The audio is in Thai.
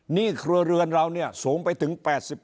หนี้เครือเรือนเราเนี่ยสูงไปถึง